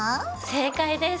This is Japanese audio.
正解です。